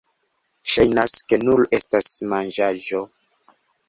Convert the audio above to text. Ŝajnas, ke nur estas manĝaĵo